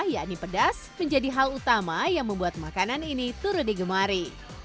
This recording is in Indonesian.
yakni pedas menjadi hal utama yang membuat makanan ini turut digemari